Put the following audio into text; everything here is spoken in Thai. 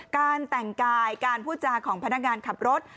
การแต่งกายการพูดจาของพนักงานขับรถ